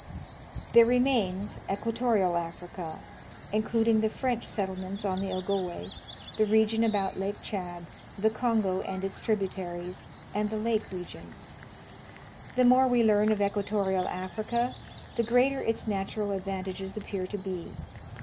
There remains equatorial Africa, including the French settle ments on the Ogowe, the region about Lake Chad, the Kongo Africa, its Past and Ftiture. 123 and its tributaries, and the lake region. The more we learn of equatorial Africa, the greater its natural advantages appear to be.